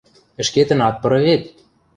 – Ӹшкетӹн ат пыры вет.